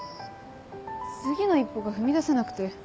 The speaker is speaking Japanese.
次の一歩が踏み出せなくて。